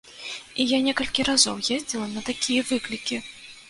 І я некалькі разоў ездзіла на такія выклікі.